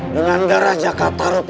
dengan garah jakarta rup